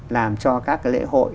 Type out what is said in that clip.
làm cho các cái lễ hội